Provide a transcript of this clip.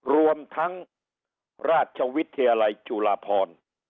รวมทั้งราชวิทยาลัยจุฬาพร